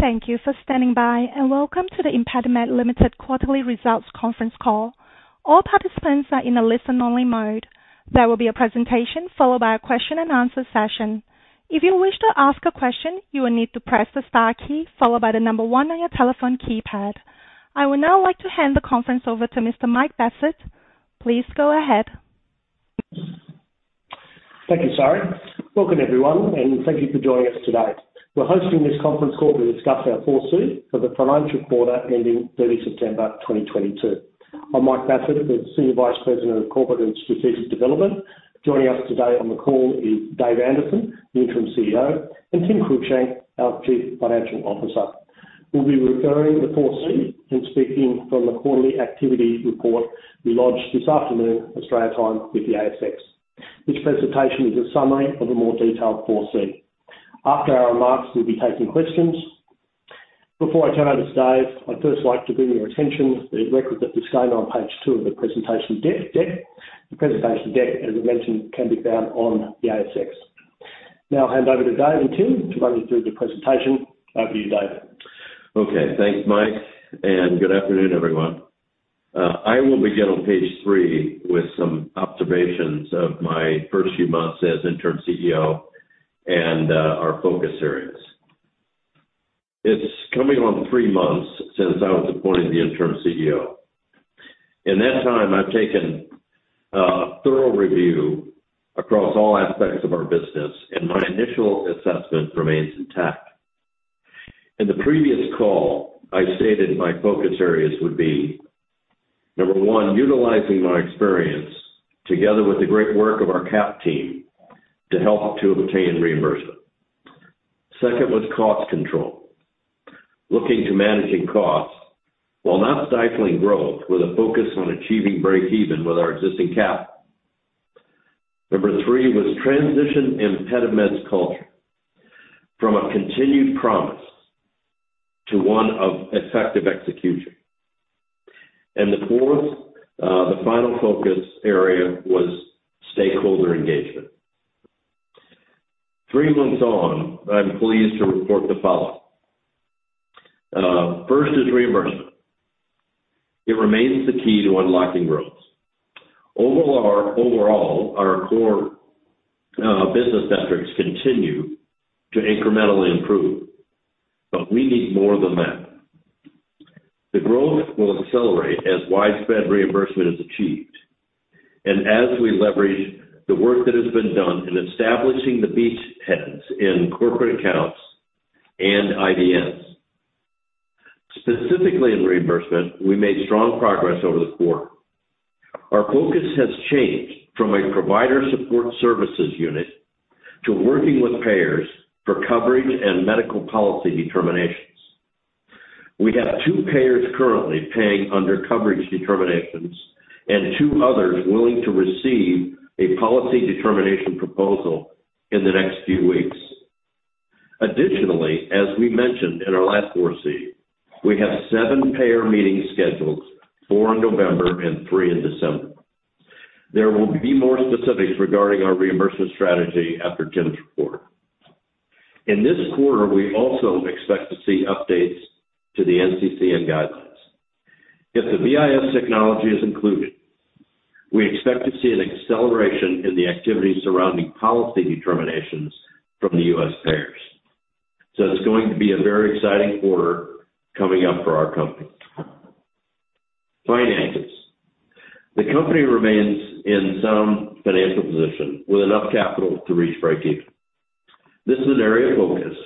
Thank you for standing by, and welcome to the ImpediMed Limited quarterly results conference call. All participants are in a listen-only mode. There will be a presentation followed by a question-and-answer session. If you wish to ask a question, you will need to press the star key followed by the number one on your telephone keypad. I would now like to hand the conference over to Mr. Michael Bassett. Please go ahead. Thank you, Sari. Welcome, everyone, and thank you for joining us today. We're hosting this conference call to discuss our 4C for the financial quarter ending 30 September 2022. I'm Michael Bassett, the Senior Vice President of Corporate and Strategic Development. Joining us today on the call is Rick Valencia, the Interim CEO, and Timothy Cruickshank, our Chief Financial Officer. We'll be referring to the 4C and speaking from the quarterly activity report we launched this afternoon, Australian time, with the ASX. This presentation is a summary of a more detailed 4C. After our remarks, we'll be taking questions. Before I turn over to Rick, I'd first like to bring your attention to the record that we've shown on page two of the presentation deck. The presentation deck, as I mentioned, can be found on the ASX. Now I'll hand over to Rick and Tim to run you through the presentation. Over to you, Rick. Okay. Thanks, Mike, and good afternoon, everyone. I will begin on page three with some observations of my first few months as interim CEO and our focus areas. It's coming on three months since I was appointed the interim CEO. In that time, I've taken a thorough review across all aspects of our business, and my initial assessment remains intact. In the previous call, I stated my focus areas would be, number one, utilizing my experience together with the great work of our CAP team to help to obtain reimbursement. Second was cost control. Looking to managing costs while not stifling growth with a focus on achieving break-even with our existing capital. Number three was transition ImpediMed's culture from a continued promise to one of effective execution. The fourth, the final focus area was stakeholder engagement. Three months on, I'm pleased to report the following. First is reimbursement. It remains the key to unlocking growth. Overall, our core business metrics continue to incrementally improve, but we need more than that. The growth will accelerate as widespread reimbursement is achieved and as we leverage the work that has been done in establishing the beachheads in corporate accounts and IDNs. Specifically, in reimbursement, we made strong progress over the quarter. Our focus has changed from a provider support services unit to working with payers for coverage and medical policy determinations. We have two payers currently paying under coverage determinations and two others willing to receive a policy determination proposal in the next few weeks. Additionally, as we mentioned in our last 4C, we have seven payer meetings scheduled, four in November and three in December. There will be more specifics regarding our reimbursement strategy after Tim's report. In this quarter, we also expect to see updates to the NCCN guidelines. If the BIS technology is included, we expect to see an acceleration in the activities surrounding policy determinations from the U.S. payers. It's going to be a very exciting quarter coming up for our company. Finances. The company remains in sound financial position with enough capital to reach break-even. This is an area of focus,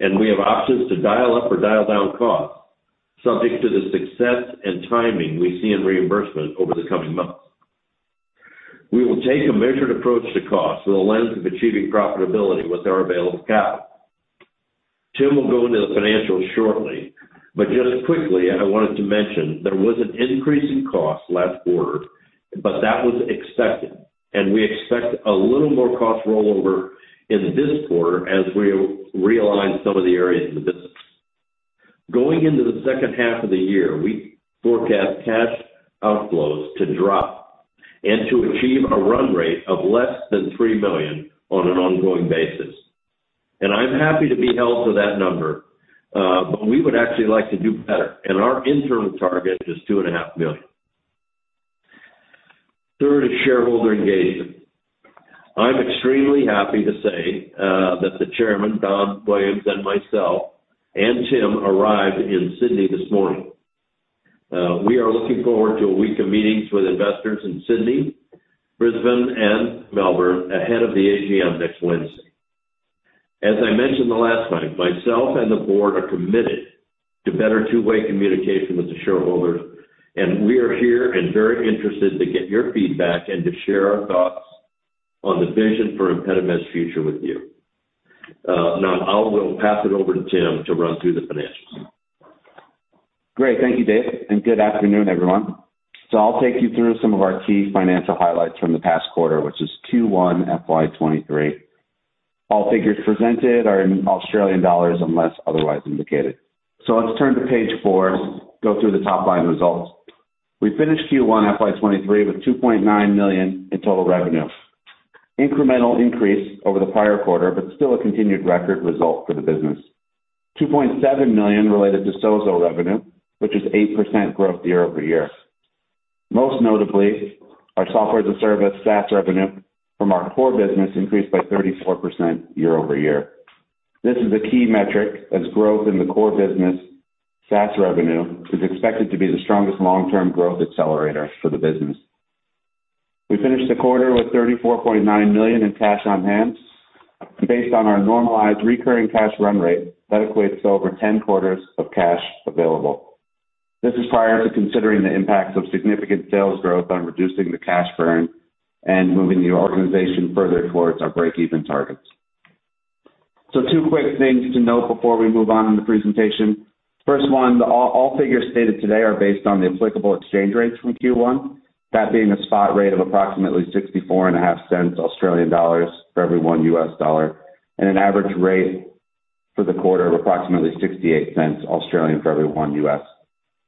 and we have options to dial up or dial down costs, subject to the success and timing we see in reimbursement over the coming months. We will take a measured approach to cost with a lens of achieving profitability with our available capital. Tim will go into the financials shortly, but just quickly, I wanted to mention there was an increase in cost last quarter, but that was expected, and we expect a little more cost rollover in this quarter as we realign some of the areas of the business. Going into the second half of the year, we forecast cash outflows to drop and to achieve a run rate of less than 3 million on an ongoing basis. I'm happy to be held to that number, but we would actually like to do better. Our interim target is 2.5 million. Third is shareholder engagement. I'm extremely happy to say that the chairman, Donald Williams, and myself, and Tim arrived in Sydney this morning. We are looking forward to a week of meetings with investors in Sydney, Brisbane, and Melbourne ahead of the AGM next Wednesday. As I mentioned the last time, myself and the board are committed to better two-way communication with the shareholders, and we are here and very interested to get your feedback and to share our thoughts on the vision for ImpediMed's future with you. Now I will pass it over to Tim to run through the financials. Great. Thank you, Rick, and good afternoon, everyone. I'll take you through some of our key financial highlights from the past quarter, which is Q1 FY 2023. All figures presented are in Australian dollars unless otherwise indicated. Let's turn to page four, go through the top-line results. We finished Q1 FY 2023 with 2.9 million in total revenue. Incremental increase over the prior quarter, but still a continued record result for the business. 2.7 million related to SOZO revenue, which is 8% growth year-over-year. Most notably, our software as a service, SaaS revenue from our core business increased by 34% year-over-year. This is a key metric as growth in the core business, SaaS revenue is expected to be the strongest long-term growth accelerator for the business. We finished the quarter with 34.9 million in cash on hand based on our normalized recurring cash run rate that equates to over 10 quarters of cash available. This is prior to considering the impacts of significant sales growth on reducing the cash burn and moving the organization further towards our breakeven targets. Two quick things to note before we move on in the presentation. First one, all figures stated today are based on the applicable exchange rates from Q1, that being a spot rate of approximately 64.5 cents Australian dollars for every one U.S.dollar and an average rate for the quarter of approximately 68 cents Australian for every one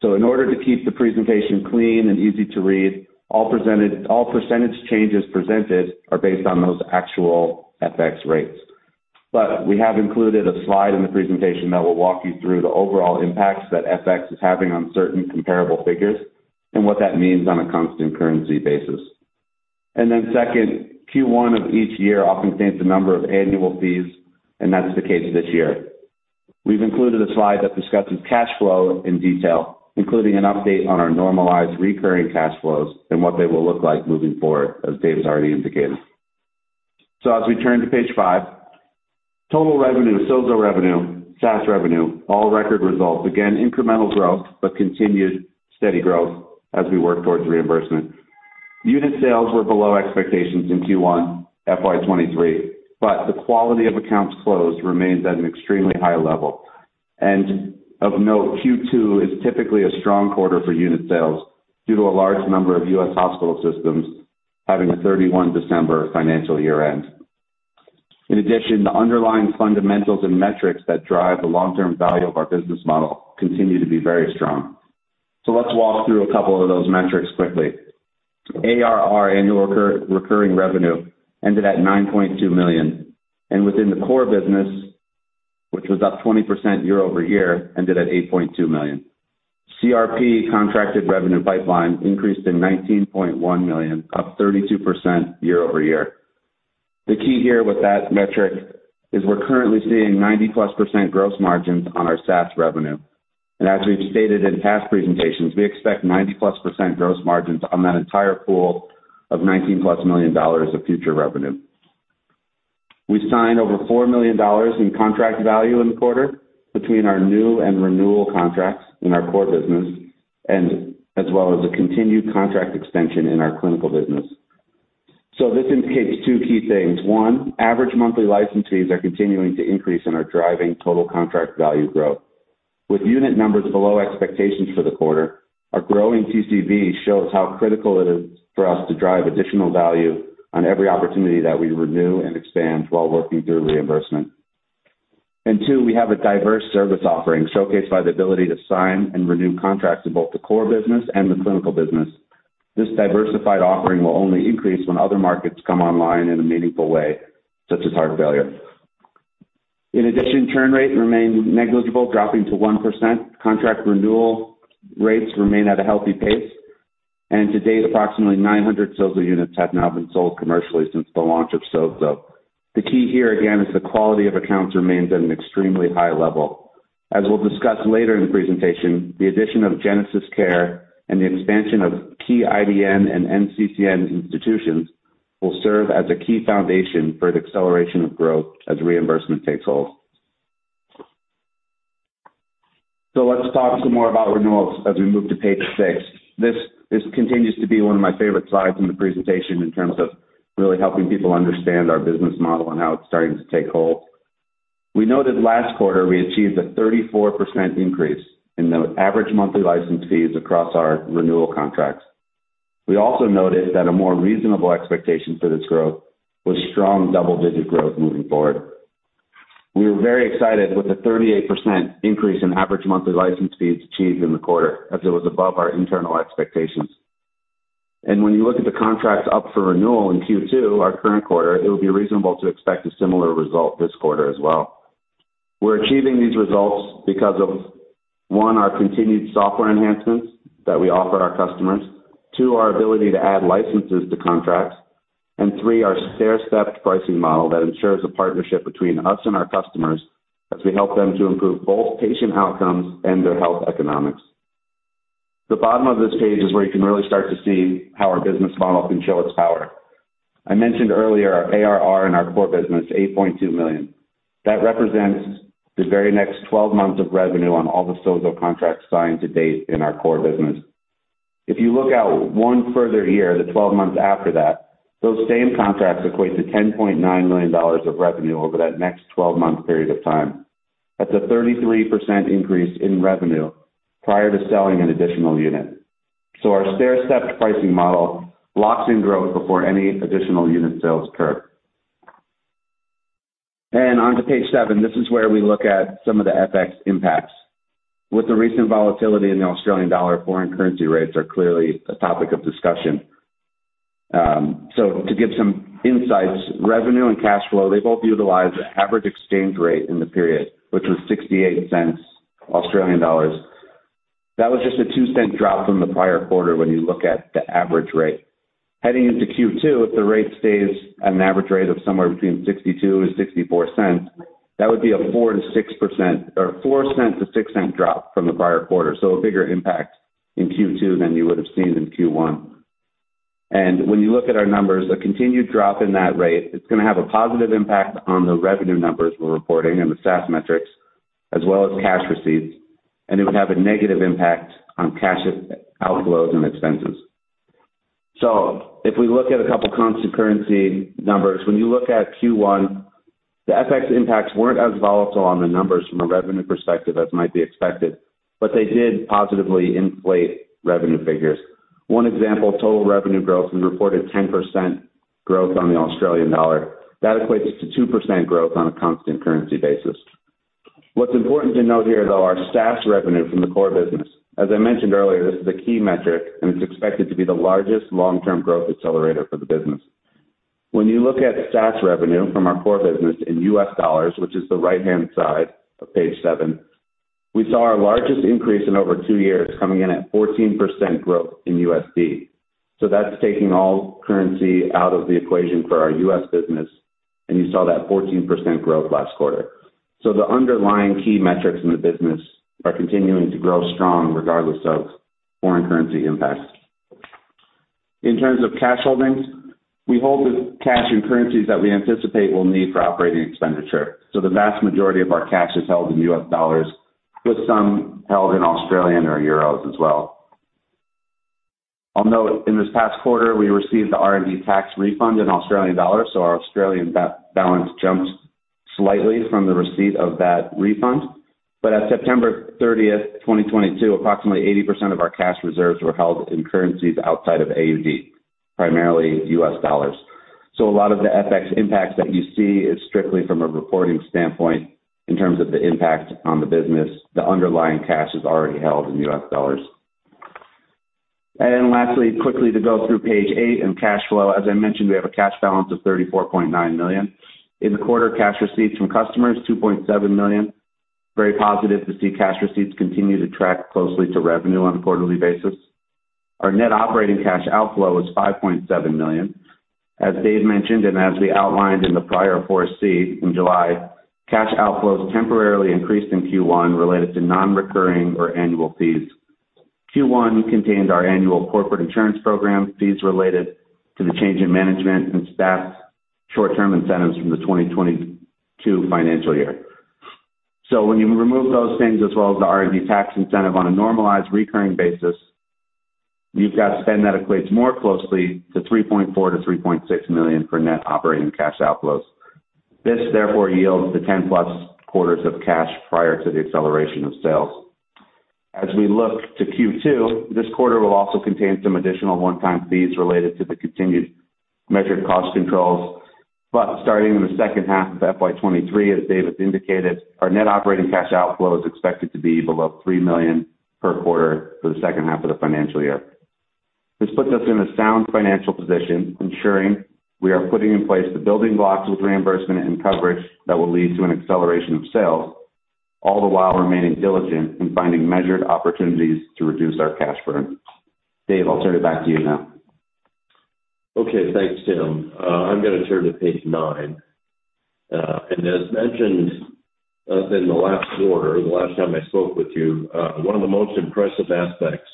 U.S. In order to keep the presentation clean and easy to read, all percentage changes presented are based on those actual FX rates. We have included a slide in the presentation that will walk you through the overall impacts that FX is having on certain comparable figures and what that means on a constant currency basis. Then second, Q1 of each year often contains a number of annual fees, and that's the case this year. We've included a slide that discusses cash flow in detail, including an update on our normalized recurring cash flows and what they will look like moving forward, as Rick has already indicated. As we turn to page five, total revenue, SOZO revenue, SaaS revenue, all record results. Again, incremental growth, but continued steady growth as we work towards reimbursement. Unit sales were below expectations in Q1 FY23, but the quality of accounts closed remains at an extremely high level. Of note, Q2 is typically a strong quarter for unit sales due to a large number of U.S. hospital systems having a 31 December financial year end. In addition, the underlying fundamentals and metrics that drive the long-term value of our business model continue to be very strong. Let's walk through a couple of those metrics quickly. ARR, annual recurring revenue ended at 9.2 million, and within the core business, which was up 20% year-over-year, ended at 8.2 million. CRP, contracted revenue pipeline, increased to 19.1 million, up 32% year-over-year. The key here with that metric is we're currently seeing 90%+ gross margins on our SaaS revenue. As we've stated in past presentations, we expect 90%+ gross margins on that entire pool of 19+ million dollars of future revenue. We signed over $4 million in contract value in the quarter between our new and renewal contracts in our core business and as well as a continued contract extension in our clinical business. This indicates two key things. One, average monthly license fees are continuing to increase and are driving total contract value growth. With unit numbers below expectations for the quarter, our growing TCV shows how critical it is for us to drive additional value on every opportunity that we renew and expand while working through reimbursement. Two, we have a diverse service offering showcased by the ability to sign and renew contracts in both the core business and the clinical business. This diversified offering will only increase when other markets come online in a meaningful way, such as heart failure. In addition, churn rate remained negligible, dropping to 1%. Contract renewal rates remain at a healthy pace. To date, approximately 900 SOZO units have now been sold commercially since the launch of SOZO. The key here, again, is the quality of accounts remains at an extremely high level. As we'll discuss later in the presentation, the addition of GenesisCare and the expansion of key IDN and NCCN institutions will serve as a key foundation for the acceleration of growth as reimbursement takes hold. Let's talk some more about renewals as we move to page six. This continues to be one of my favorite slides in the presentation in terms of really helping people understand our business model and how it's starting to take hold. We know that last quarter we achieved a 34% increase in the average monthly license fees across our renewal contracts. We also noted that a more reasonable expectation for this growth was strong double-digit growth moving forward. We were very excited with the 38% increase in average monthly license fees achieved in the quarter, as it was above our internal expectations. When you look at the contracts up for renewal in Q2, our current quarter, it would be reasonable to expect a similar result this quarter as well. We're achieving these results because of, one, our continued software enhancements that we offer our customers. Two, our ability to add licenses to contracts. And three, our stairstep pricing model that ensures a partnership between us and our customers as we help them to improve both patient outcomes and their health economics. The bottom of this page is where you can really start to see how our business model can show its power. I mentioned earlier our ARR in our core business, 8.2 million. That represents the very next twelve months of revenue on all the SOZO contracts signed to date in our core business. If you look out one further year, the twelve months after that, those same contracts equate to $10.9 million of revenue over that next twelve-month period of time. That's a 33% increase in revenue prior to selling an additional unit. Our stairstep pricing model locks in growth before any additional unit sales occur. On to page seven. This is where we look at some of the FX impacts. With the recent volatility in the Australian dollar, foreign currency rates are clearly a topic of discussion. To give some insights, revenue and cash flow, they both utilize the average exchange rate in the period, which was 0.68 AUD. That was just a two-cent drop from the prior quarter when you look at the average rate. Heading into Q2, if the rate stays at an average rate of somewhere between 62 and 64 cents, that would be a 4%-6% or four-cent to 6-cent drop from the prior quarter. A bigger impact in Q2 than you would have seen in Q1. When you look at our numbers, a continued drop in that rate, it's gonna have a positive impact on the revenue numbers we're reporting and the SaaS metrics as well as cash receipts, and it would have a negative impact on cash outflows and expenses. If we look at a couple constant currency numbers, when you look at Q1, the FX impacts weren't as volatile on the numbers from a revenue perspective as might be expected, but they did positively inflate revenue figures. One example, total revenue growth was reported 10% growth on the Australian dollar. That equates to 2% growth on a constant currency basis. What's important to note here, though, our SaaS revenue from the core business. As I mentioned earlier, this is a key metric, and it's expected to be the largest long-term growth accelerator for the business. When you look at SaaS revenue from our core business in U.S. dollars, which is the right-hand side of page seven, we saw our largest increase in over two Years coming in at 14% growth in USD. That's taking all currency out of the equation for our U.S. Business, and you saw that 14% growth last quarter. The underlying key metrics in the business are continuing to grow strong regardless of foreign currency impacts. In terms of cash holdings, we hold the cash and currencies that we anticipate we'll need for operating expenditure. The vast majority of our cash is held in U.S. dollars, with some held in Australian or euros as well. I'll note in this past quarter we received the R&D tax refund in Australian dollars, so our Australian balance jumped slightly from the receipt of that refund. As September 30, 2022, approximately 80% of our cash reserves were held in currencies outside of AUD, primarily U.S. dollars. A lot of the FX impacts that you see is strictly from a reporting standpoint in terms of the impact on the business. The underlying cash is already held in U.S. dollars. Then lastly, quickly to go through page eight and cash flow. As I mentioned, we have a cash balance of 34.9 million. In the quarter, cash receipts from customers, 2.7 million. Very positive to see cash receipts continue to track closely to revenue on a quarterly basis. Our net operating cash outflow is 5.7 million. As David mentioned, and as we outlined in the prior 4C in July, cash outflows temporarily increased in Q1 related to non-recurring or annual fees. Q1 contained our annual corporate insurance program fees related to the change in management and staff short-term incentives from the 2022 financial year. When you remove those things as well as the R&D tax incentive on a normalized recurring basis, you've got spend that equates more closely to 3.4 million-3.6 million for net operating cash outflows. This therefore yields the 10+ quarters of cash prior to the acceleration of sales. As we look to Q2, this quarter will also contain some additional one-time fees related to the continued measured cost controls. Starting in the second half of FY 2023, as Rick indicated, our net operating cash outflow is expected to be below 3 million per quarter for the second half of the financial year. This puts us in a sound financial position, ensuring we are putting in place the building blocks with reimbursement and coverage that will lead to an acceleration of sales, all the while remaining diligent in finding measured opportunities to reduce our cash burn. Rick, I'll turn it back to you now. Okay. Thanks, Tim. I'm gonna turn to page nine. As mentioned up in the last quarter, the last time I spoke with you, one of the most impressive aspects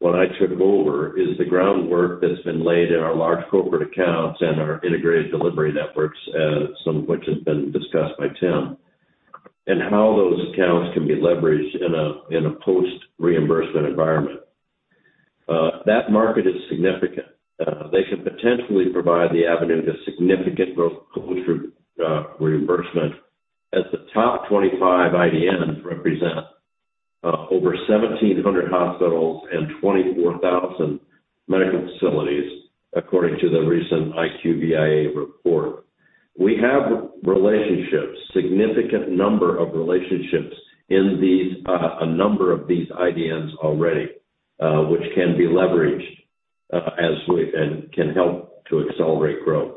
when I took over is the groundwork that's been laid in our large corporate accounts and our integrated delivery networks, some of which have been discussed by Tim. How those accounts can be leveraged in a post reimbursement environment. That market is significant. They could potentially provide the avenue to significant growth closer reimbursement as the top 25 IDNs represent over 1,700 hospitals and 24,000 medical facilities according to the recent IQVIA report. We have relationships, significant number of relationships in these, a number of these IDNs already, which can be leveraged and can help to accelerate growth.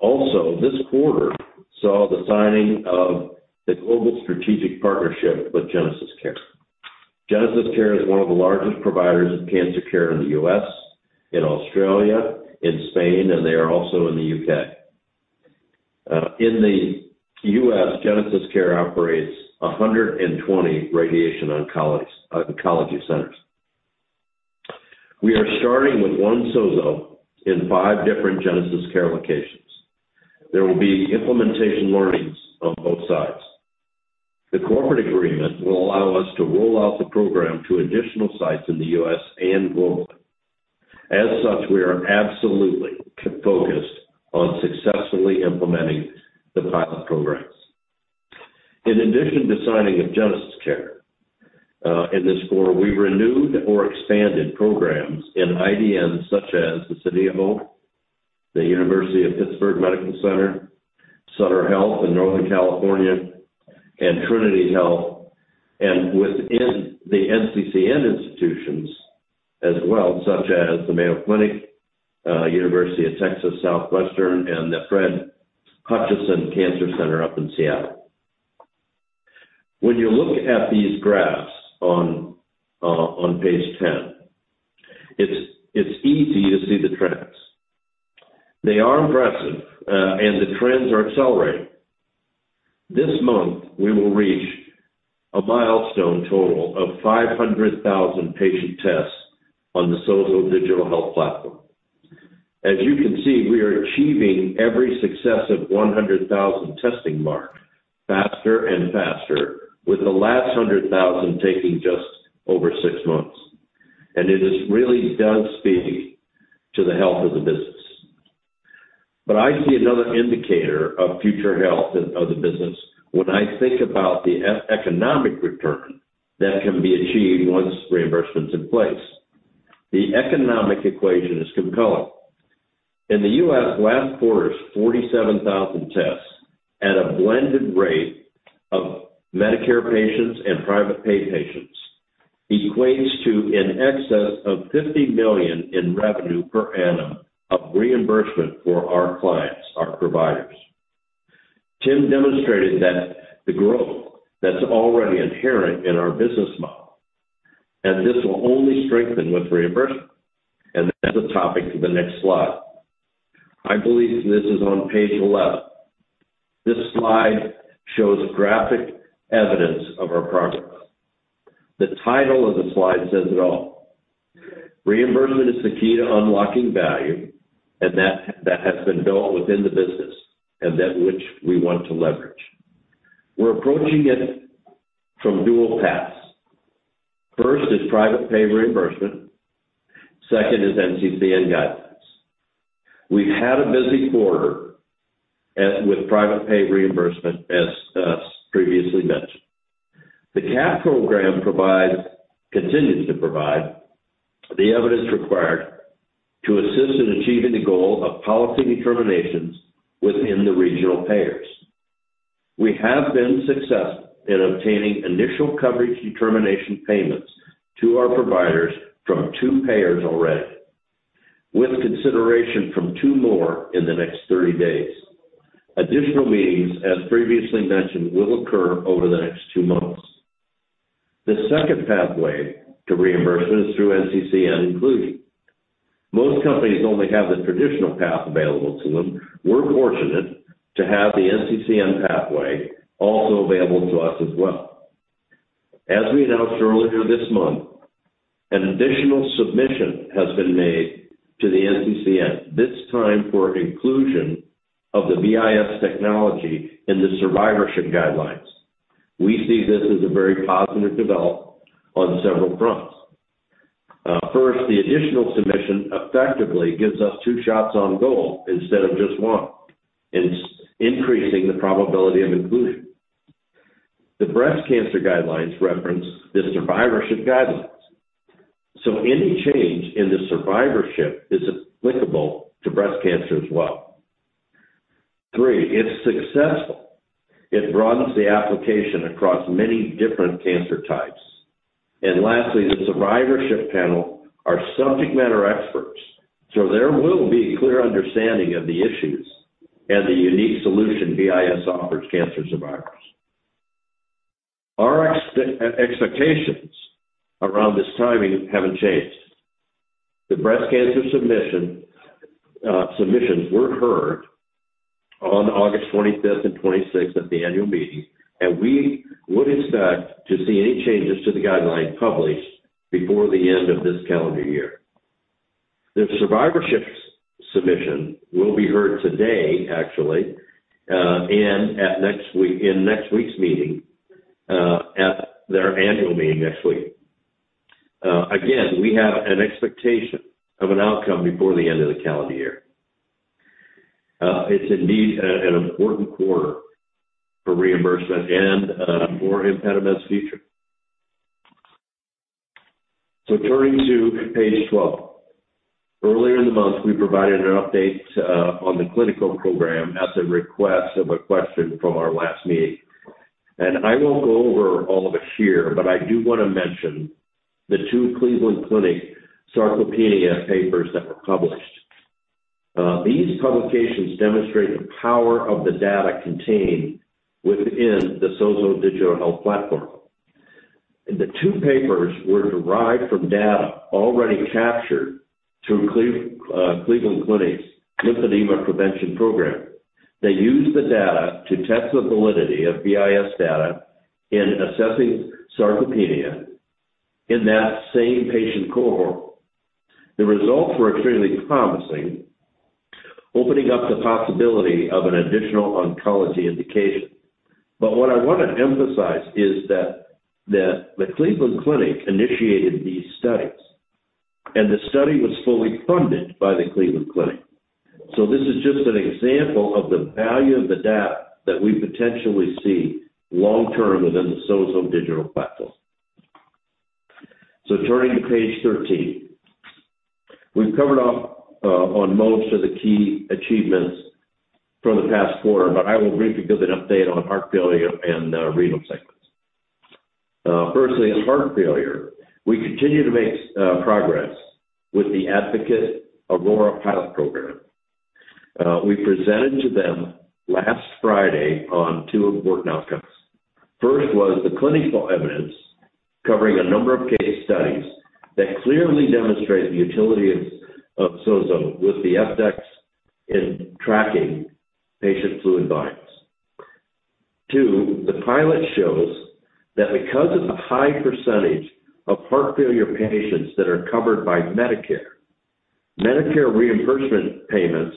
Also, this quarter saw the signing of the global strategic partnership with GenesisCare. GenesisCare is one of the largest providers of cancer care in the U.S., in Australia, in Spain, and they are also in the U.K. In the U.S., GenesisCare operates 120 radiation oncology centers. We are starting with one SOZO in five different GenesisCare locations. There will be implementation learnings on both sides. The corporate agreement will allow us to roll out the program to additional sites in the U.S. and globally. As such, we are absolutely focused on successfully implementing the pilot programs. In addition to signing with GenesisCare in this quarter, we renewed or expanded programs in IDN such as the City of Hope, the University of Pittsburgh Medical Center, Sutter Health in Northern California, and Trinity Health, and within the NCCN institutions as well, such as the Mayo Clinic, the University of Texas Southwestern Medical Center, and the Fred Hutchinson Cancer Center up in Seattle. When you look at these graphs on page 10, it's easy to see the trends. They are impressive, and the trends are accelerating. This month, we will reach a milestone total of 500,000 patient tests on the SOZO digital health platform. As you can see, we are achieving every successive 100,000 testing mark faster and faster with the last 100,000 taking just over 6 months. It just really does speak to the health of the business. I see another indicator of future health of the business when I think about the economic return that can be achieved once reimbursement's in place. The economic equation is compelling. In the U.S. last quarter's 47,000 tests at a blended rate of Medicare patients and private pay patients equates to in excess of 50 million in revenue per annum of reimbursement for our clients, our providers. Tim demonstrated that the growth that's already inherent in our business model, and this will only strengthen with reimbursement, and that's a topic for the next slide. I believe this is on page 11. This slide shows graphic evidence of our progress. The title of the slide says it all. Reimbursement is the key to unlocking value, and that has been built within the business, and that which we want to leverage. We're approaching it from dual paths. First is private pay reimbursement, second is NCCN guidelines. We've had a busy quarter as with private pay reimbursement, as previously mentioned. The CAP program continues to provide the evidence required to assist in achieving the goal of policy determinations within the regional payers. We have been successful in obtaining initial coverage determination payments to our providers from two payers already, with consideration from two more in the next 30 days. Additional meetings, as previously mentioned, will occur over the next two months. The second pathway to reimbursement is through NCCN inclusion. Most companies only have the traditional path available to them. We're fortunate to have the NCCN pathway also available to us as well. As we announced earlier this month, an additional submission has been made to the NCCN, this time for inclusion of the BIS technology in the survivorship guidelines. We see this as a very positive development on several fronts. First, the additional submission effectively gives us two shots on goal instead of just one. It's increasing the probability of inclusion. The breast cancer guidelines reference the survivorship guidelines, so any change in the survivorship is applicable to breast cancer as well. Three, if successful, it broadens the application across many different cancer types. And lastly, the survivorship panel are subject matter experts, so there will be clear understanding of the issues and the unique solution BIS offers cancer survivors. Our expectations around this timing haven't changed. The breast cancer submission, submissions were heard on August 25th and 26th at the annual meeting, and we would expect to see any changes to the guidelines published before the end of this calendar year. The survivorship submission will be heard today, actually, and in next week's meeting at their annual meeting next week. Again, we have an expectation of an outcome before the end of the calendar year. It's indeed an important quarter for reimbursement and for ImpediMed's future. Turning to page 12. Earlier in the month, we provided an update on the clinical program at the request of a question from our last meeting. I won't go over all of it here, but I do wanna mention the two Cleveland Clinic sarcopenia papers that were published. These publications demonstrate the power of the data contained within the SOZO Digital Health Platform. The two papers were derived from data already captured through Cleveland Clinic's lymphedema prevention program. They used the data to test the validity of BIS data in assessing sarcopenia in that same patient cohort. The results were extremely promising, opening up the possibility of an additional oncology indication. What I wanna emphasize is that the Cleveland Clinic initiated these studies. The study was fully funded by the Cleveland Clinic. This is just an example of the value of the data that we potentially see long term within the SOZO Digital Health Platform. Turning to page 13. We've covered off on most of the key achievements from the past quarter, but I will briefly give an update on heart failure and renal segments. Firstly, on heart failure, we continue to make progress with the Advocate Aurora pilot program. We presented to them last Friday on two important outcomes. First was the clinical evidence covering a number of case studies that clearly demonstrate the utility of SOZO with the HF-Dex™ in tracking patient fluid volumes. Two, the pilot shows that because of the high percentage of heart failure patients that are covered by Medicare reimbursement payments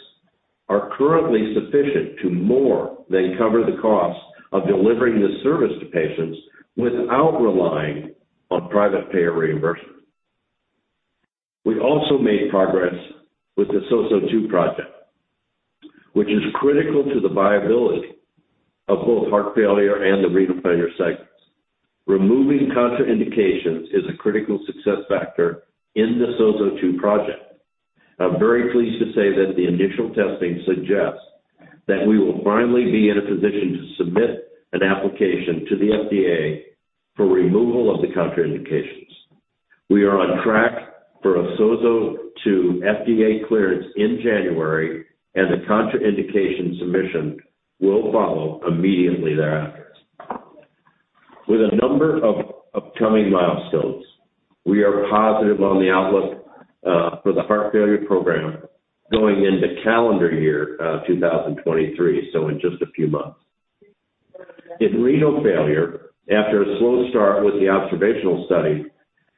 are currently sufficient to more than cover the cost of delivering this service to patients without relying on private payer reimbursement. We also made progress with the SOZO II project, which is critical to the viability of both heart failure and the renal failure segments. Removing contraindications is a critical success factor in the SOZO 2 project. I'm very pleased to say that the initial testing suggests that we will finally be in a position to submit an application to the FDA for removal of the contraindications. We are on track for a SOZO II FDA clearance in January, and the contraindication submission will follow immediately thereafter. With a number of upcoming milestones, we are positive on the outlook for the heart failure program going into calendar year 2023, so in just a few months. In renal failure, after a slow start with the observational study,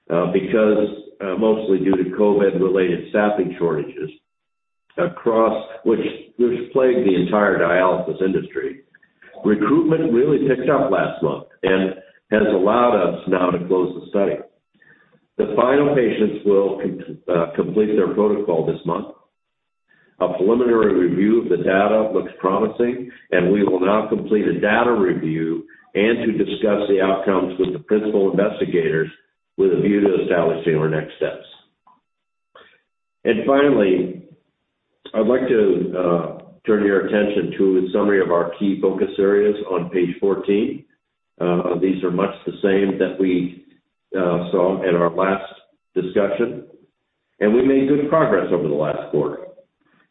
because mostly due to COVID-related staffing shortages, which plagued the entire dialysis industry, recruitment really picked up last month and has allowed us now to close the study. The final patients will complete their protocol this month. A preliminary review of the data looks promising, and we will now complete a data review and to discuss the outcomes with the principal investigators with a view to establishing our next steps. Finally, I'd like to turn your attention to a summary of our key focus areas on page 14. These are much the same that we saw in our last discussion. We made good progress over the last quarter.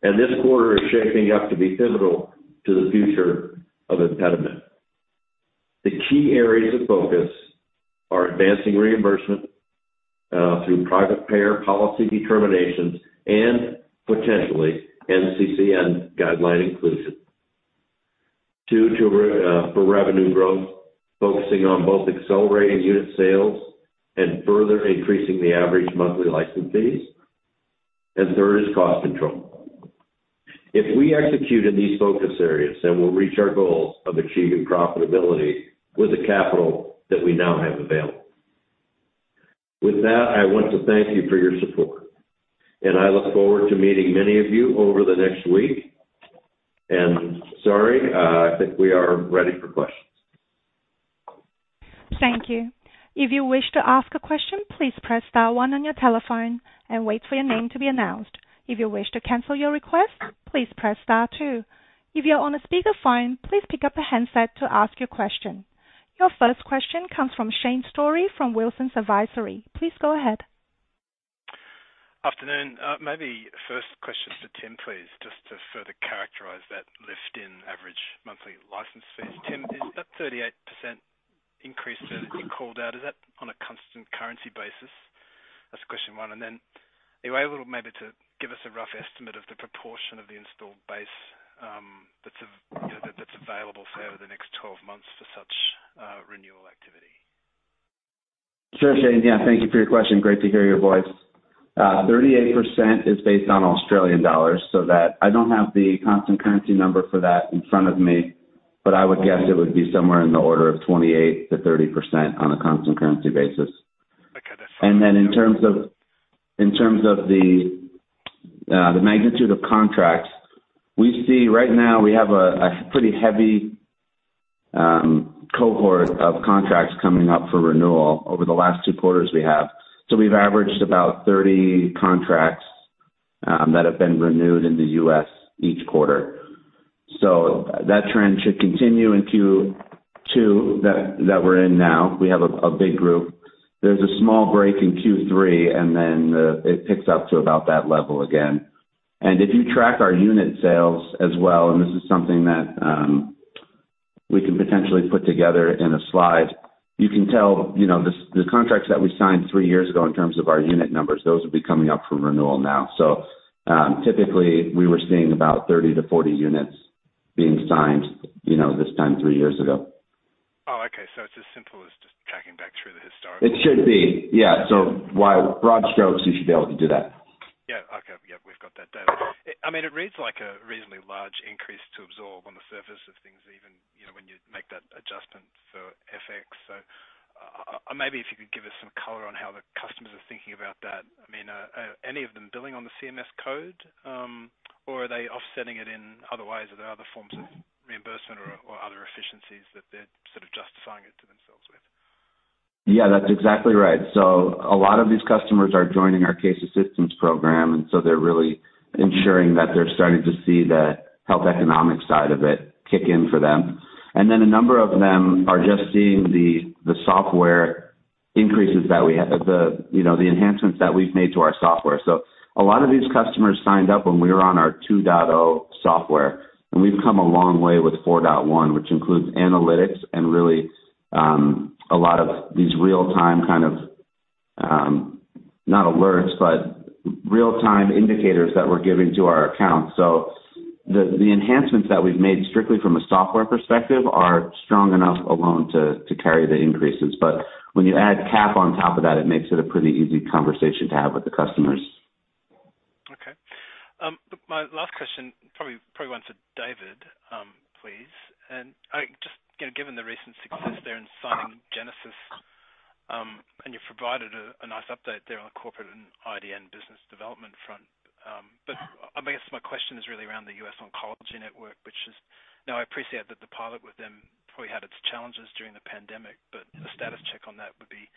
This quarter is shaping up to be pivotal to the future of ImpediMed. The key areas of focus are advancing reimbursement through private payer policy determinations and potentially NCCN guideline inclusion. Two, for revenue growth, focusing on both accelerating unit sales and further increasing the average monthly license fees. Third is cost control. If we execute in these focus areas, then we'll reach our goals of achieving profitability with the capital that we now have available. With that, I want to thank you for your support, and I look forward to meeting many of you over the next week. Sari, I think we are ready for questions. Thank you. If you wish to ask a question, please press star one on your telephone and wait for your name to be announced. If you wish to cancel your request, please press star two. If you're on a speakerphone, please pick up a handset to ask your question. Your first question comes from Shane Storey from Wilsons Advisory. Please go ahead. Afternoon. Maybe first question to Tim, please, just to further characterize that lift in average monthly license fees. Tim, is that 38% increase that you called out, is that on a constant currency basis? That's question one. Are you able maybe to give us a rough estimate of the proportion of the installed base that's, you know, available for over the next 12 months for such renewal activity? Sure, Shane. Yeah, thank you for your question. Great to hear your voice. 38% is based on Australian dollars, so that I don't have the constant currency number for that in front of me, but I would guess it would be somewhere in the order of 28%-30% on a constant currency basis. Okay, that's fine. In terms of the magnitude of contracts, we see right now we have a pretty heavy cohort of contracts coming up for renewal over the last two quarters we have. We've averaged about 30 contracts that have been renewed in the US each quarter. That trend should continue in Q2 we're in now. We have a big group. There's a small break in Q3, and then it picks up to about that level again. If you track our unit sales as well, and this is something that we can potentially put together in a slide, you can tell, you know, the contracts that we signed three years ago in terms of our unit numbers, those would be coming up for renewal now. Typically, we were seeing about 30-40 units being signed, you know, this time three years ago. Oh, okay. It's as simple as just tracking back through the historical. It should be. Yeah. With broad strokes, you should be able to do that. Yeah. Okay. Yeah, we've got that data. I mean, it reads like a reasonably large increase to absorb on the surface of things even so, maybe if you could give us some color on how the customers are thinking about that. I mean, are any of them billing on the CMS code, or are they offsetting it in other ways? Are there other forms of reimbursement or other efficiencies that they're sort of justifying it to themselves with? Yeah, that's exactly right. A lot of these customers are joining our case assistance program, and so they're really ensuring that they're starting to see the health economic side of it kick in for them. Then a number of them are just seeing the software increases that we have, you know, the enhancements that we've made to our software. A lot of these customers signed up when we were on our 2.0 software, and we've come a long way with 4.1, which includes analytics and really, a lot of these real-time kind of, not alerts, but real-time indicators that we're giving to our accounts. The enhancements that we've made strictly from a software perspective are strong enough alone to carry the increases. when you add CAP on top of that, it makes it a pretty easy conversation to have with the customers. Okay. My last question, probably one for David, please. Just, you know, given the recent success there in signing GenesisCare, and you've provided a nice update there on the corporate and IDN business development front. I guess my question is really around The U.S. Oncology Network, which is now. I appreciate that the pilot with them probably had its challenges during the pandemic, but a status check on that would be,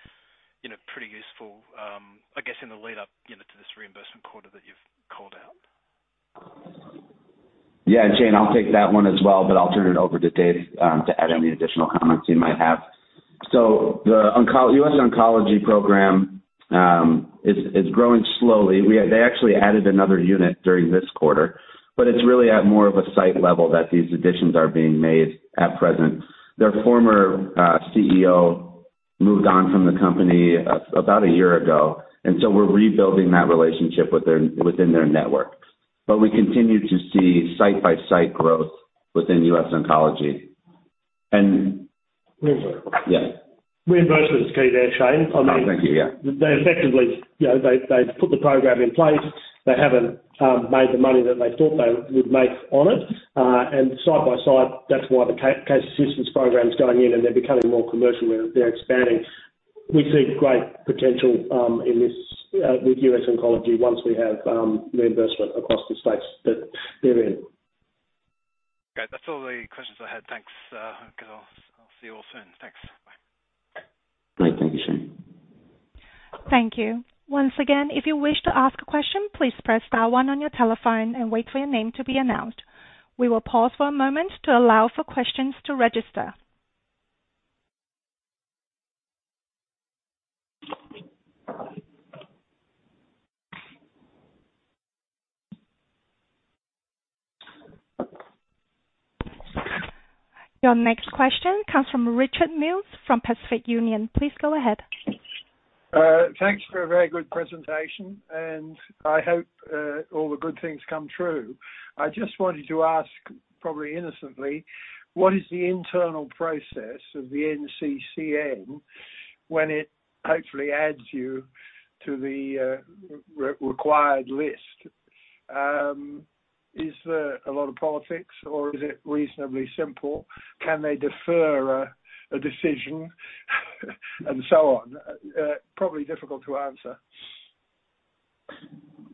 you know, pretty useful, I guess, in the lead up, you know, to this reimbursement quarter that you've called out. Yeah, Shane, I'll take that one as well, but I'll turn it over to Rick to add any additional comments he might have. The U.S. Oncology program is growing slowly. They actually added another unit during this quarter, but it's really at more of a site level that these additions are being made at present. Their former CEO moved on from the company about a year ago, and so we're rebuilding that relationship within their network. We continue to see site-by-site growth within U.S. Oncology. Reimbursement. Yeah. Reimbursement is key there, Shane. I mean. Oh, thank you. Yeah. They effectively, you know, they've put the program in place. They haven't made the money that they thought they would make on it. Site by site, that's why the case assistance program is going in, and they're becoming more commercial. They're expanding. We see great potential in this with U.S. Oncology once we have reimbursement across the states that they're in. Okay. That's all the questions I had. Thanks, because I'll see you all soon. Thanks. Bye. Great. Thank you, Shane. Thank you. Once again, if you wish to ask a question, please press star one on your telephone and wait for your name to be announced. We will pause for a moment to allow for questions to register. Your next question comes from Richard Mees from Pacific Union. Please go ahead. Thanks for a very good presentation, and I hope all the good things come true. I just wanted to ask, probably innocently, what is the internal process of the NCCN when it hopefully adds you to the required list? Is there a lot of politics or is it reasonably simple? Can they defer a decision and so on? Probably difficult to answer.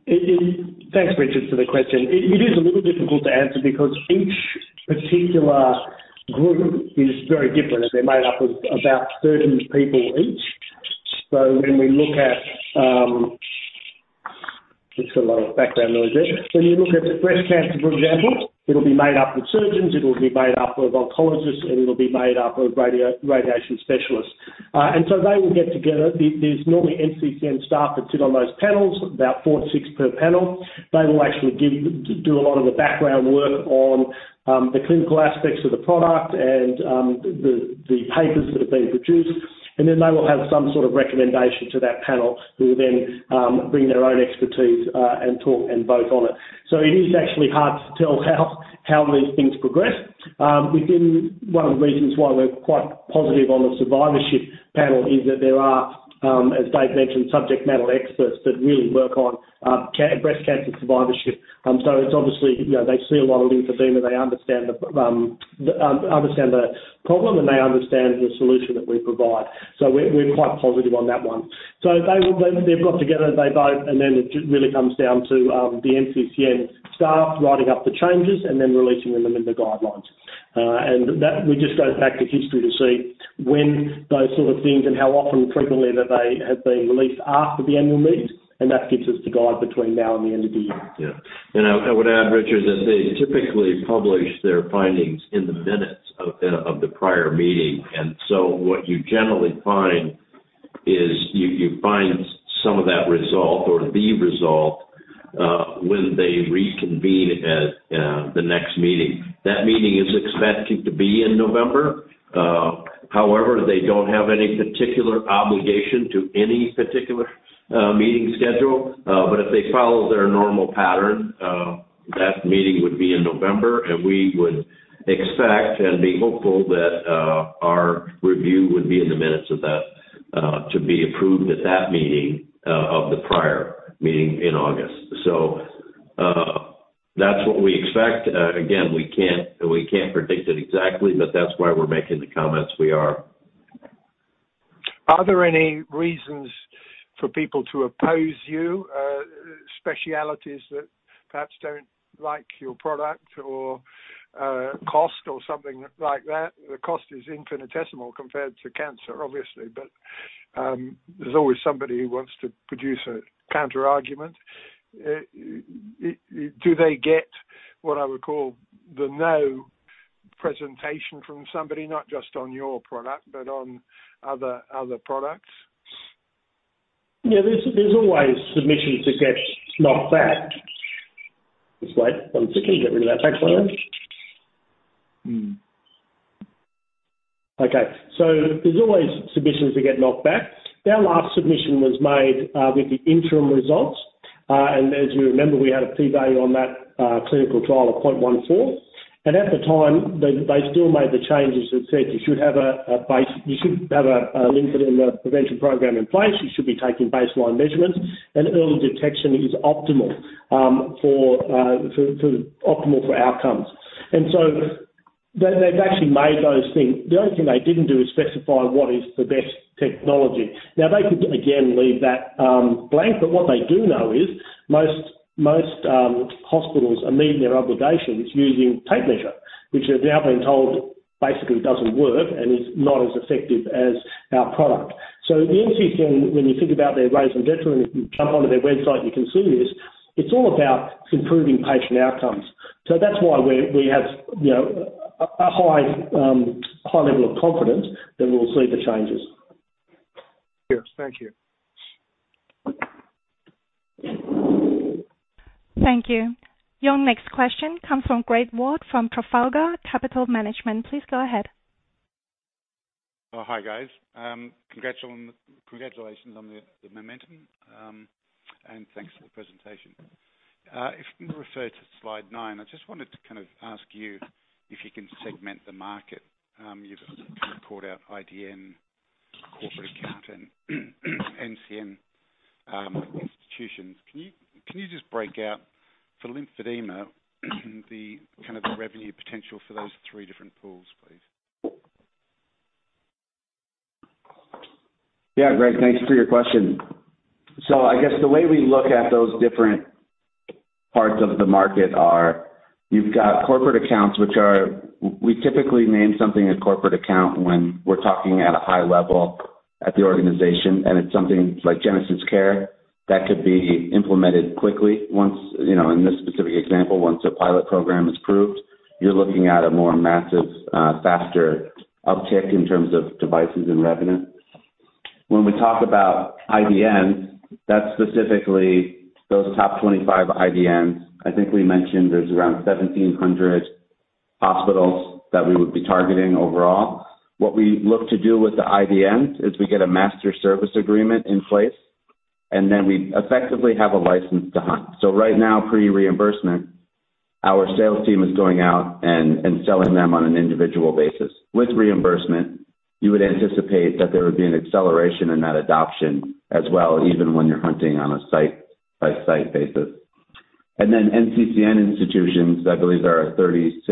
Thanks, Richard, for the question. It is a little difficult to answer because each particular group is very different, and they're made up of about 13 people each. When you look at breast cancer, for example, it'll be made up of surgeons, it'll be made up of oncologists, and it'll be made up of radiation specialists. They will get together. There's normally NCCN staff that sit on those panels, about four-six per panel. They will actually do a lot of the background work on the clinical aspects of the product and the papers that have been produced. They will have some sort of recommendation to that panel, who will then bring their own expertise and talk and vote on it. It is actually hard to tell how these things progress. One of the reasons why we're quite positive on the survivorship panel is that there are, as Rick mentioned, subject matter experts that really work on breast cancer survivorship. It's obviously, you know, they see a lot of lymphedema. They understand the problem, and they understand the solution that we provide. We're quite positive on that one. They've got together, they vote, and then it really comes down to the NCCN staff writing up the changes and then releasing them in the guidelines. That we just go back to history to see when those sort of things and how often frequently that they have been released after the annual meeting, and that gives us the guide between now and the end of the year. Yeah. I would add, Richard, that they typically publish their findings in the minutes of the prior meeting. What you generally find is you find some of that result or the result when they reconvene at the next meeting. That meeting is expected to be in November. However, they don't have any particular obligation to any particular meeting schedule. But if they follow their normal pattern, that meeting would be in November, and we would expect and be hopeful that our review would be in the minutes of that to be approved at that meeting of the prior meeting in August. That's what we expect. Again, we can't predict it exactly, but that's why we're making the comments we are. Are there any reasons for people to oppose you, specialties that perhaps don't like your product or, cost or something like that? The cost is infinitesimal compared to cancer, obviously. There's always somebody who wants to produce a counterargument. Do they get what I would call the no presentation from somebody, not just on your product, but on other products? Yeah. There's always submissions that get knocked back. Just wait one second. Get rid of that. Thanks, Leon. Mm. Okay, there's always submissions that get knocked back. Our last submission was made with the interim results. As you remember, we had a P value on that clinical trial of 0.14. At the time, they still made the changes that said you should have a lymphedema prevention program in place. You should be taking baseline measurements, and early detection is optimal for optimal outcomes. They actually made those things. The only thing they didn't do is specify what is the best technology. Now, they could again leave that blank, but what they do know is most hospitals are meeting their obligations using tape measure, which we've now been told basically doesn't work and is not as effective as our product. The NCCN, when you think about their guidelines, if you jump onto their website, you can see this. It's all about improving patient outcomes. That's why we have, you know, a high level of confidence that we'll see the changes. Yes. Thank you. Thank you. Your next question comes from Gregory Ward, from Trafalgar Capital Management. Please go ahead. Oh, hi, guys. Congratulations on the momentum and thanks for the presentation. If you refer to slide nine, I just wanted to ask you if you can segment the market. You've called out IDN, corporate account and NCCN institutions. Can you just break out for lymphedema the kind of revenue potential for those three different pools, please? Greg, thanks for your question. I guess the way we look at those different parts of the market are, you've got corporate accounts which are. We typically name something a corporate account when we're talking at a high level at the organization, and it's something like GenesisCare that could be implemented quickly once, you know, in this specific example, once the pilot program is proved, you're looking at a more massive, faster uptick in terms of devices and revenue. When we talk about IDN, that's specifically those top 25 IDNs. I think we mentioned there's around 1,700 hospitals that we would be targeting overall. What we look to do with the IDN is we get a master service agreement in place, and then we effectively have a license to hunt. Right now, pre-reimbursement, our sales team is going out and selling them on an individual basis. With reimbursement, you would anticipate that there would be an acceleration in that adoption as well, even when you're hunting on a site-by-site basis. NCCN institutions, I believe there are 36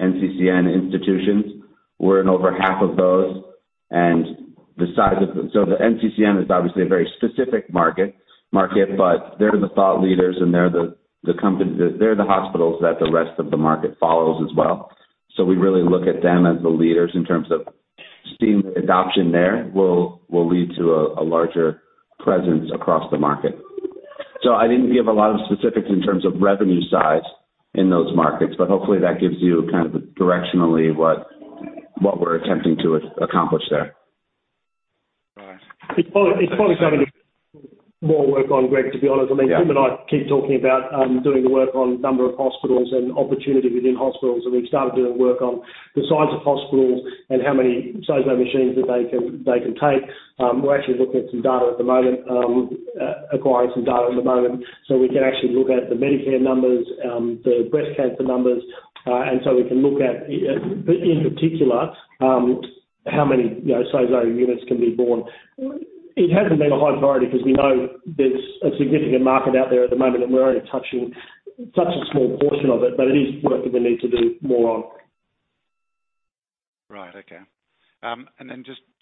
NCCN institutions. We're in over half of those. The NCCN is obviously a very specific market, but they're the thought leaders and they're the hospitals that the rest of the market follows as well. We really look at them as the leaders in terms of seeing the adoption there will lead to a larger presence across the market. I didn't give a lot of specifics in terms of revenue size in those markets, but hopefully that gives you kind of directionally what we're attempting to accomplish there. All right. It's probably something more to work on, Greg, to be honest. I mean, Tim and I keep talking about doing the work on number of hospitals and opportunity within hospitals, and we've started doing work on the size of hospitals and how many SOZO machines that they can take. We're actually looking at some data at the moment, acquiring some data at the moment, so we can actually look at the Medicare numbers, the breast cancer numbers, and in particular how many, you know, SOZO units can be borne. It hasn't been a high priority because we know there's a significant market out there at the moment and we're only touching such a small portion of it, but it is work that we need to do more on. Right. Okay.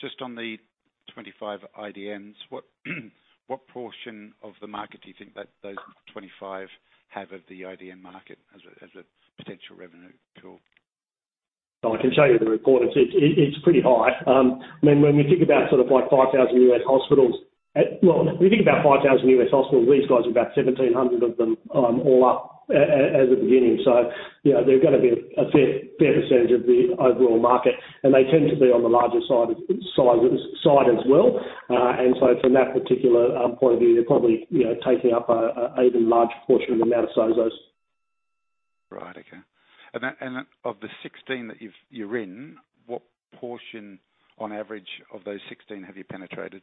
Just on the 25 IDNs, what portion of the market do you think that those 25 have of the IDN market as a potential revenue pool? I can show you the report. It's pretty high. I mean, when we think about 5,000 U.S. hospitals, these guys are about 1,700 of them, all up as of beginning. You know, they're gonna be a fair percentage of the overall market, and they tend to be on the larger side as well. From that particular point of view, they're probably, you know, taking up a even larger portion of the amount of SOZOs. Right. Okay. Of the 16 that you're in, what portion on average of those 16 have you penetrated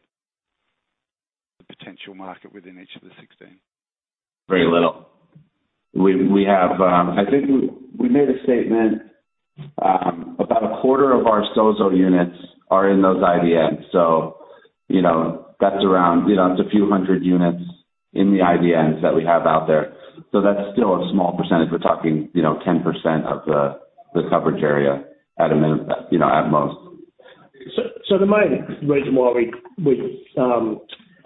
the potential market within each of the 16? Very little. I think we made a statement. about a quarter of our SOZO units are in those IDNs. You know, that's around, you know, it's a few hundred units in the IDNs that we have out there. That's still a small percentage. We're talking, you know, 10% of the coverage area at most. The main reason why we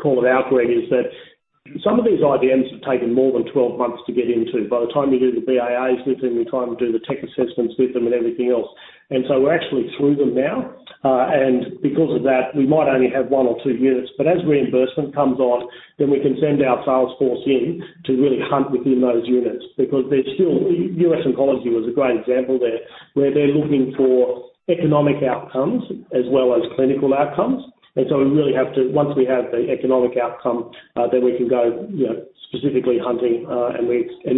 call it out, Greg, is that some of these IDNs have taken more than 12 months to get into. By the time we do the BAA with them, the time we do the tech assessments with them and everything else. We're actually through them now. Because of that, we might only have one or two units. As reimbursement comes on, then we can send our sales force in to really hunt within those units because there's still US Oncology was a great example there, where they're looking for economic outcomes as well as clinical outcomes. Once we have the economic outcome, then we can go, you know, specifically hunting, and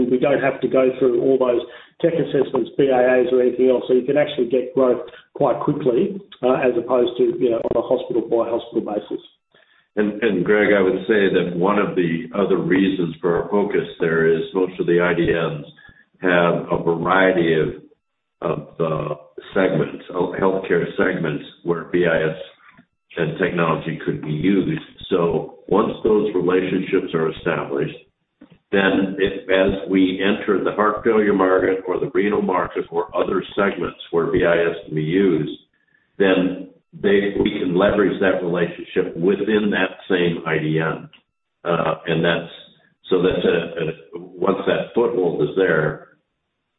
we don't have to go through all those tech assessments, BAA or anything else. You can actually get growth quite quickly, as opposed to, you know, on a hospital-by-hospital basis. Greg, I would say that one of the other reasons for our focus there is most of the IDNs have a variety of segments of healthcare segments where BIS and technology could be used. Once those relationships are established, then if as we enter the heart failure market or the renal market or other segments where BIS can be used, then we can leverage that relationship within that same IDN. Once that foothold is there,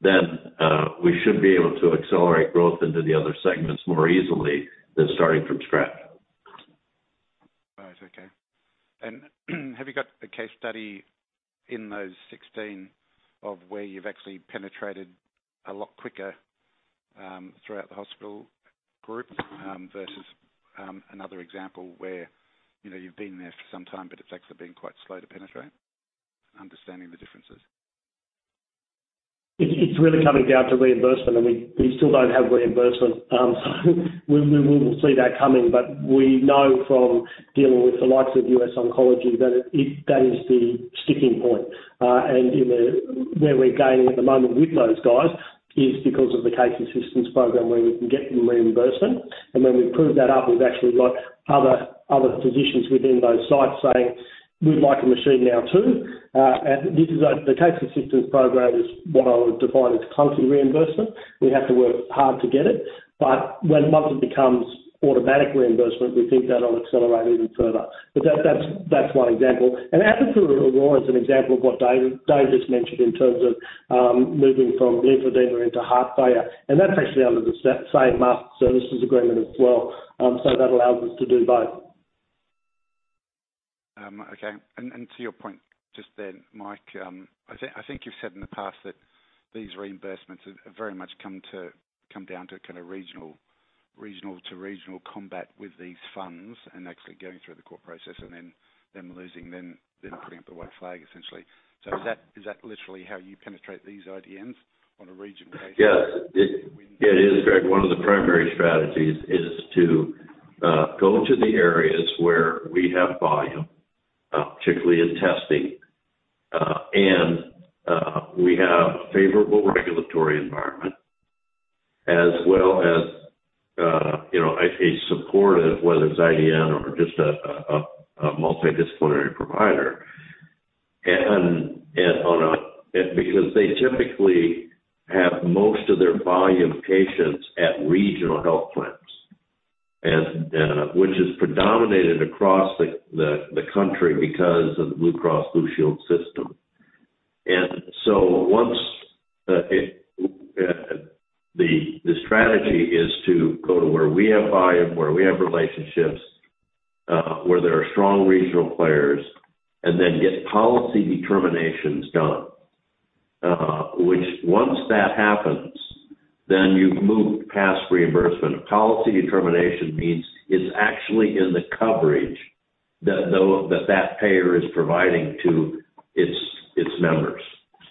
then we should be able to accelerate growth into the other segments more easily than starting from scratch. Right. Okay. Have you got a case study in those 16 of where you've actually penetrated a lot quicker, throughout the hospital group, versus, another example where, you know, you've been there for some time, but it's actually been quite slow to penetrate? Understanding the differences. It's really coming down to reimbursement, and we still don't have reimbursement. We will see that coming. We know from dealing with the likes of U.S. Oncology that it is the sticking point. Where we're going at the moment with those guys is because of the case assistance program where we can get them reimbursement. When we've proved that up, we've actually got other physicians within those sites saying, "We'd like a machine now too." The case assistance program is what I would define as clunky reimbursement. We have to work hard to get it. When once it becomes automatic reimbursement, we think that'll accelerate even further. That's one example. There is an example of what David, Rick just mentioned in terms of moving from lymphedema into heart failure, and that's actually under the same master services agreement as well. That allows us to do both. Okay. To your point just then, Mike, I think you've said in the past that these reimbursements have very much come down to kind of regional to regional combat with these funds and actually going through the court process and then them losing, them putting up the white flag, essentially. Is that literally how you penetrate these IDNs on a regional basis? Yes. It is, Greg. One of the primary strategies is to go to the areas where we have volume, particularly in testing, and we have favorable regulatory environment as well as, you know, a multidisciplinary provider. Because they typically have most of their volume patients at regional health plans, and which is predominated across the country because of the Blue Cross Blue Shield system. The strategy is to go to where we have volume, where we have relationships, where there are strong regional players, and then get policy determinations done. Which once that happens, then you've moved past reimbursement. A policy determination means it's actually in the coverage that payer is providing to its members.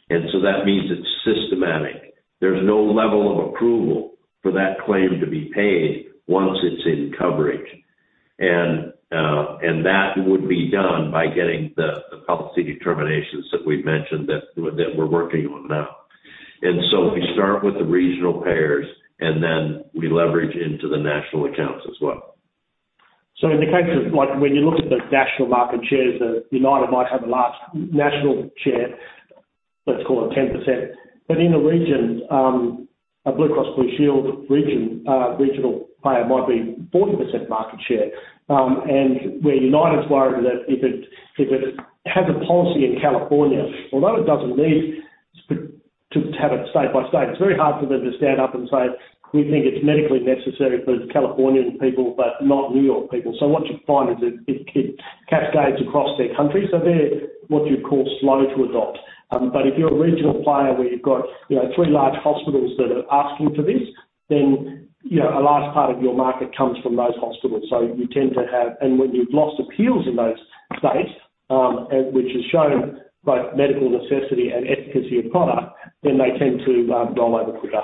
That means it's systematic. There's no level of approval for that claim to be paid once it's in coverage. That would be done by getting the policy determinations that we've mentioned that we're working on now. We start with the regional payers, and then we leverage into the national accounts as well. In the case of like when you look at the national market shares, the United might have a large national share, let's call it 10%. In the regions, a Blue Cross Blue Shield region, regional player might be 40% market share. Where United's worried that if it has a policy in California, although it doesn't need to have it state by state, it's very hard for them to stand up and say, "We think it's medically necessary for the Californian people, but not New York people." What you find is it cascades across their country. They're what you'd call slow to adopt. If you're a regional player where you've got, you know, three large hospitals that are asking for this, then, you know, a large part of your market comes from those hospitals. You tend to have. When you've lost appeals in those states, which has shown both medical necessity and efficacy of product, then they tend to roll over quicker.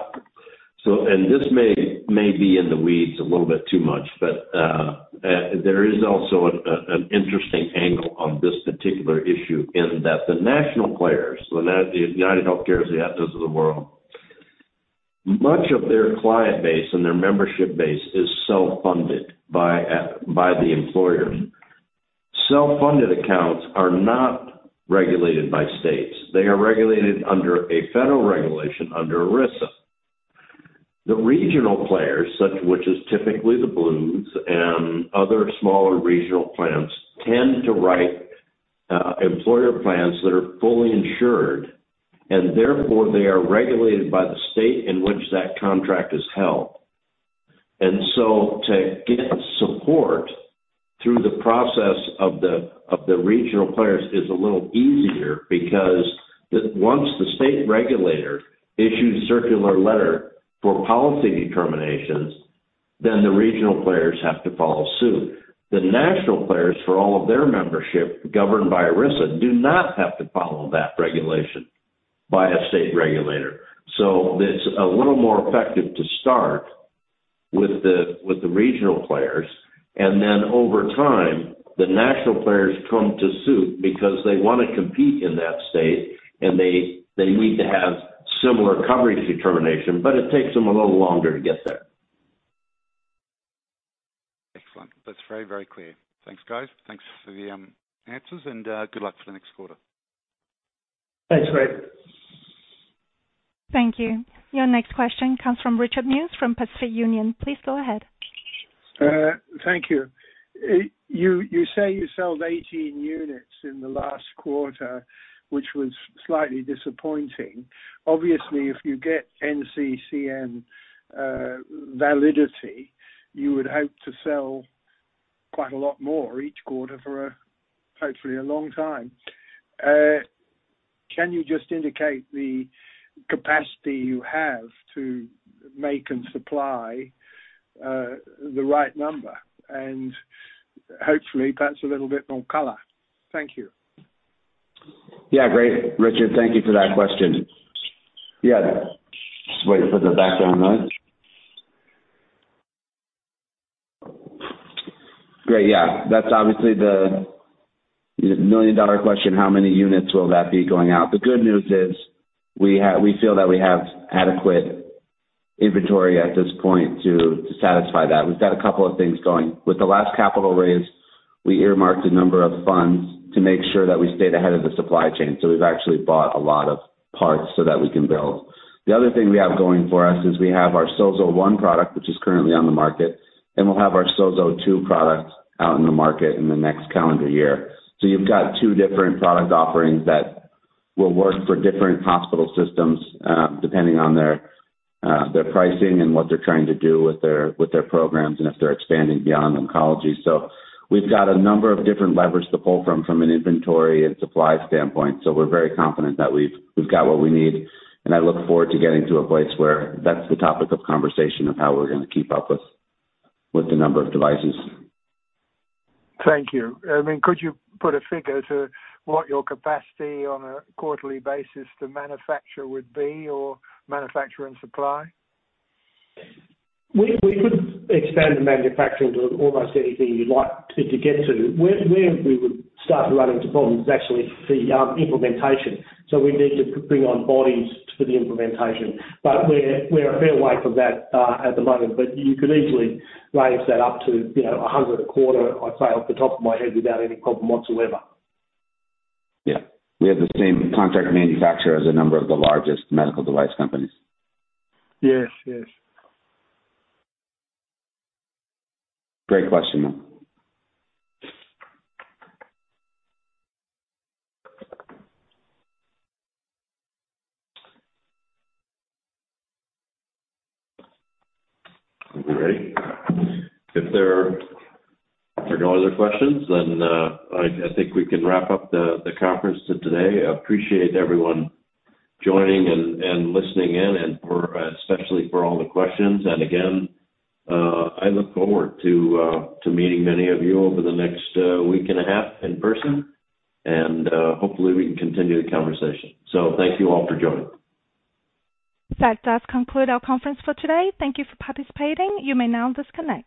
This may be in the weeds a little bit too much, but there is also an interesting angle on this particular issue in that the national players, the UnitedHealthcare, the Aetna of the world. Much of their client base and their membership base is self-funded by the employer. Self-funded accounts are not regulated by states. They are regulated under a federal regulation under ERISA. The regional players, such which is typically the Blues and other smaller regional plans, tend to write employer plans that are fully insured and therefore they are regulated by the state in which that contract is held. To get support through the process of the regional players is a little easier because once the state regulator issues circular letter for policy determinations, then the regional players have to follow suit. The national players, for all of their membership governed by ERISA, do not have to follow that regulation by a state regulator. It's a little more effective to start with the regional players, and then over time, the national players follow suit because they wanna compete in that state and they need to have similar coverage determination, but it takes them a little longer to get there. Excellent. That's very, very clear. Thanks, guys. Thanks for the answers and good luck for the next quarter. Thanks, Greg. Thank you. Your next question comes from Richard Meisz from Pacific Union. Please go ahead. Thank you. You say you sold 18 units in the last quarter, which was slightly disappointing. Obviously, if you get NCCN validity, you would hope to sell quite a lot more each quarter for, hopefully a long time. Can you just indicate the capacity you have to make and supply the right number? Hopefully, perhaps a little bit more color. Thank you. Great, Richard. Thank you for that question. That's obviously the million-dollar question, how many units will that be going out? The good news is we feel that we have adequate inventory at this point to satisfy that. We've got a couple of things going. With the last capital raise, we earmarked a number of funds to make sure that we stayed ahead of the supply chain. We've actually bought a lot of parts so that we can build. The other thing we have going for us is we have our SOZO I product, which is currently on the market, and we'll have our SOZO II product out in the market in the next calendar year. You've got two different product offerings that will work for different hospital systems, depending on their pricing and what they're trying to do with their programs and if they're expanding beyond oncology. We've got a number of different levers to pull from an inventory and supply standpoint. We're very confident that we've got what we need, and I look forward to getting to a place where that's the topic of conversation of how we're gonna keep up with the number of devices. Thank you. I mean, could you put a figure to what your capacity on a quarterly basis to manufacture would be or manufacture and supply? We could expand the manufacturing to almost anything you'd like to get to. Where we would start to run into problems is actually the implementation. We need to bring on bodies for the implementation. We're a fair way from that at the moment. You could easily raise that up to, you know, 100 a quarter, I'd say, off the top of my head without any problem whatsoever. Yeah. We have the same contract manufacturer as a number of the largest medical device companies. Yes. Yes. Great question, though. Great. If there are no other questions, then I think we can wrap up the conference for today. I appreciate everyone joining and listening in, and for especially for all the questions. Again, I look forward to meeting many of you over the next week and a half in person, and hopefully we can continue the conversation. Thank you all for joining. That does conclude our conference for today. Thank you for participating. You may now disconnect.